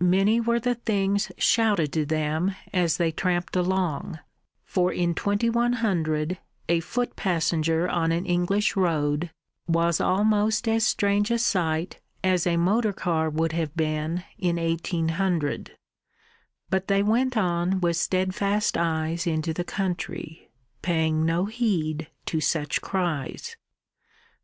Many were the things shouted to them as they tramped along, for in 2100 a foot passenger on an English road was almost as strange a sight as a motor car would have been in 1800. But they went on with steadfast eyes into the country, paying no heed to such cries.